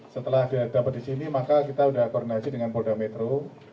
setelah didapat disini maka kita sudah koordinasi dengan polda metro